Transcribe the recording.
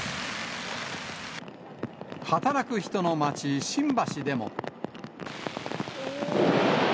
働く人の街、新橋でも。